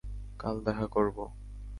কাল দেখা করব।